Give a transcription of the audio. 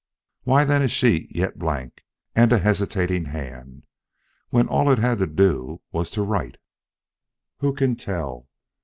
Why then a sheet yet blank and a hesitating hand, when all it had to do was to write? Who can tell?